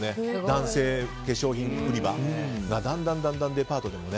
男性化粧品売り場がだんだんデパートでも。